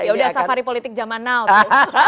yaudah safari politik zaman now tuh